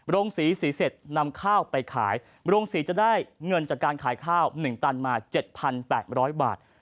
โรงสีสีเสร็จนำข้าวไปขายโรงศรีจะได้เงินจากการขายข้าว๑ตันมา๗๘๐๐บาท